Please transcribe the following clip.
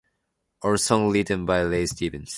All songs written by Ray Stevens.